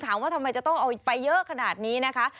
ถามว่าทำไมจะต้องเอาไปเยอะขนาดนี้นะคะ